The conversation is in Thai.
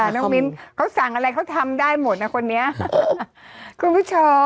น้องมิ้นเขาสั่งอะไรเขาทำได้หมดนะคนนี้